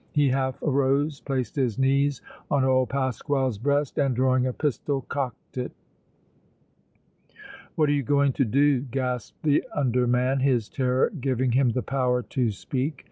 He half arose, placed his knees on old Pasquale's breast and, drawing a pistol, cocked it. "What are you going to do?" gasped the under man, his terror giving him the power to speak.